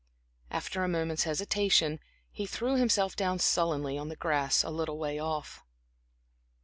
After a moment's hesitation, he threw himself down sullenly on the grass a little way off.